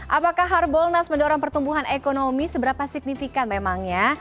apakah harbolnas mendorong pertumbuhan ekonomi seberapa signifikan memang ya